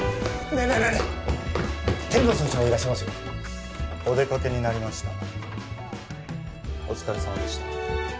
お疲れさまでした。